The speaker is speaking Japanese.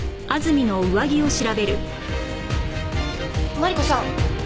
マリコさん